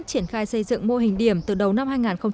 triển khai xây dựng mô hình điểm từ đầu năm hai nghìn một mươi bốn